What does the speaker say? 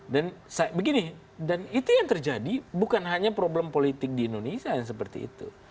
dan begini dan itu yang terjadi bukan hanya problem politik di indonesia yang seperti itu